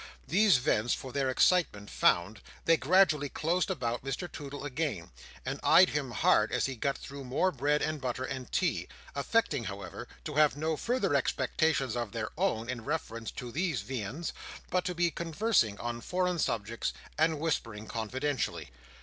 These vents for their excitement found, they gradually closed about Mr Toodle again, and eyed him hard as he got through more bread and butter and tea; affecting, however, to have no further expectations of their own in reference to those viands, but to be conversing on foreign subjects, and whispering confidentially.